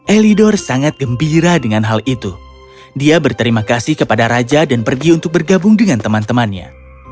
elidor sangat gembira dengan hal itu dia berterima kasih kepada raja dan pergi untuk bergabung dengan teman temannya